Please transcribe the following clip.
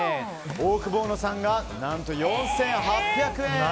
オオクボーノさんが何と４８００円。